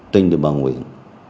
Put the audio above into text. trinh cho công an huyện